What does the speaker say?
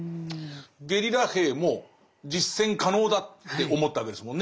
ゲリラ兵も実践可能だって思ったわけですもんね。